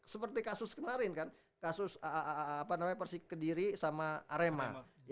seperti kasus kemarin kan kasus persik kediri sama arema